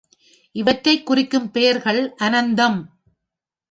இவற்றைக் குறிக்கும் பெயர்கள் அனந்தம்.